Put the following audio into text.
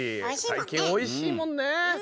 最近おいしいもんね。